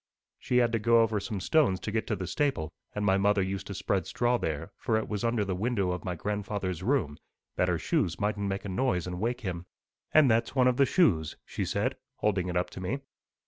She had to go over some stones to get to the stable, and my mother used to spread straw there, for it was under the window of my grandfather's room, that her shoes mightn't make a noise and wake him. And that's one of the shoes,' she said, holding it up to me.